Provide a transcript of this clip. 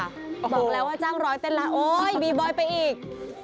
บอกแล้วว่าจ้างร้อยเต้นแล้วโอ๊ยบีบอยไปอีก